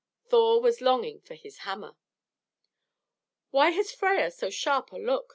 Thor was longing for his hammer. "Why has Freia so sharp a look?"